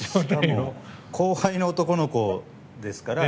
しかも後輩の男の子ですから。